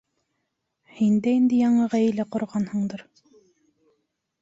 Һин дә инде яңы ғаилә ҡорғанһыңдыр.